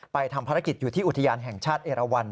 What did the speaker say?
ทำภารกิจอยู่ที่อุทยานแห่งชาติเอราวัน